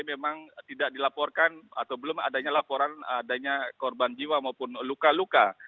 memang tidak dilaporkan atau belum adanya laporan adanya korban jiwa maupun luka luka